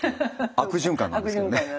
悪循環なんですよね。